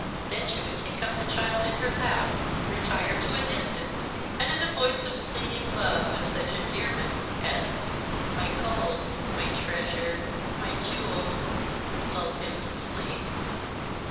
Then she would take up the child in her lap, retire to a distance, and in a voice of pleading love, with such endearments as 'my gold, my treasure, my jewel,' lull him to sleep.